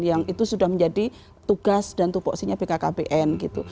yang itu sudah menjadi tugas dan tupoksinya bkkbn gitu